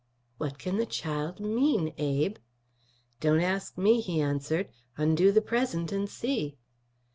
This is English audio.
"What can the child mean, Abe?" "Don't ask me," he answered. "Undo the present and see."